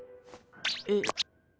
えっ？